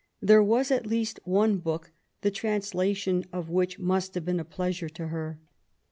There was at least one book the translation of which must have been a pleasure to her.